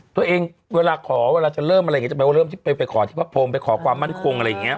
ตัวเองเวลาขอเวลาจะเริ่มอะไรจะไปขอที่พระพรมไปขอความมั่นคง